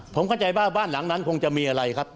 ผมเข้าใจว่าบ้านหลังนั้นคงจะมีอะไรครับ